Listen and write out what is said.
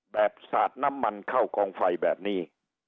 สาดน้ำมันเข้ากองไฟแบบนี้